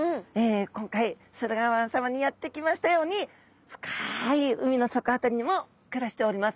今回駿河湾さまにやって来ましたように深い海の底辺りにも暮らしております。